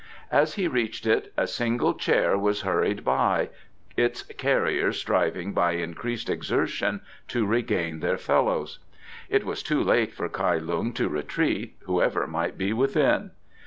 As he reached it a single chair was hurried by, its carriers striving by increased exertion to regain their fellows. It was too late for Kai Lung to retreat, whoever might be within.